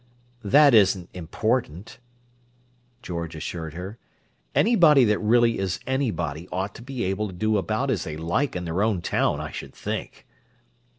"That isn't 'important,'" George assured her. "Anybody that really is anybody ought to be able to do about as they like in their own town, I should think!"